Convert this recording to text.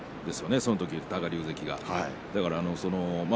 そのとき多賀竜関が。